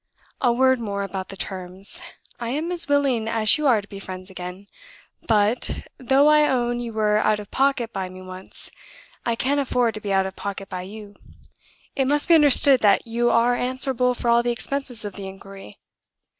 "A word more about the terms. I am as willing as you are to be friends again; but, though I own you were out of pocket by me once, I can't afford to be out of pocket by you. It must be understood that you are answerable for all the expenses of the inquiry.